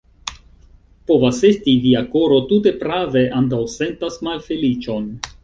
Povas esti, via koro tute prave antaŭsentas malfeliĉon.